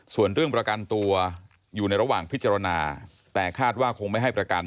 ส่วนเรื่องประกันตัวอยู่ในระหว่างพิจารณาแต่คาดว่าคงไม่ให้ประกัน